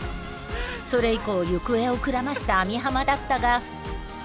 それ以降行方をくらました網浜だったが。